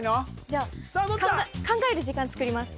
じゃあ考える時間作ります